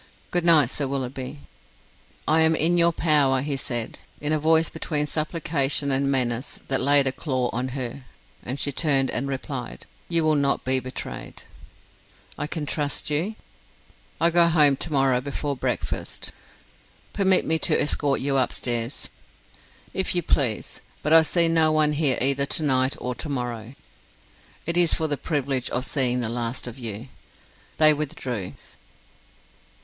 "Good night, Sir Willoughby." "I am in your power," he said, in a voice between supplication and menace that laid a claw on her, and she turned and replied: "You will not be betrayed." "I can trust you ...?" "I go home to morrow before breakfast." "Permit me to escort you upstairs." "If you please: but I see no one here either to night or tomorrow." "It is for the privilege of seeing the last of you." They withdrew.